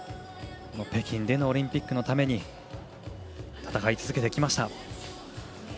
北京オリンピックのため戦い続けてきました。